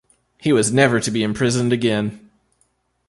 He was never to be imprisoned again.